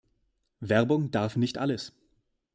Werbung darf nicht alles.